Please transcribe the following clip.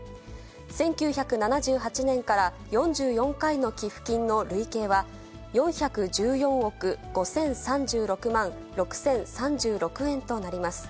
１９７８年から４４回の寄付金の累計は、４１４億５０３６万６０３６円となります。